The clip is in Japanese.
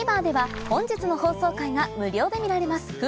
ＴＶｅｒでは本日の放送回が無料で見られます